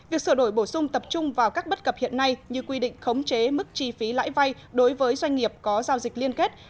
việc sửa đổi bổ sung tập trung vào các bất cập hiện nay như quy định khống chế mức chi phí lãi vay đối với doanh nghiệp có giao dịch liên kết